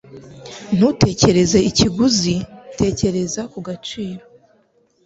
Ntutekereze ikiguzi. Tekereza ku gaciro.